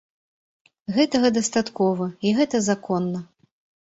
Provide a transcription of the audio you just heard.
Гэтага дастаткова, і гэта законна.